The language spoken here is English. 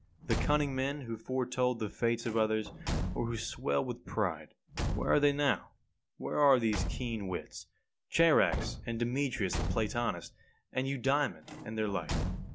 The cunning men who foretold the fates of others, or who swelled with pride where are they now? Where are these keen wits, Charax, and Demetrius the Platonist, and Eudaemon, and their like?